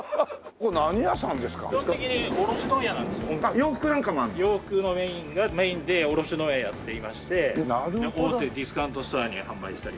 洋服がメインで卸問屋やっていまして大手ディスカウントストアに販売したり。